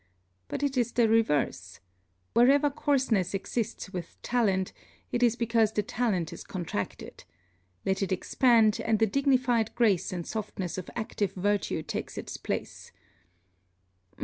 But it is the reverse. Wherever coarseness exists with talent, it is because the talent is contracted; let it expand, and the dignified grace and softness of active virtue takes its place.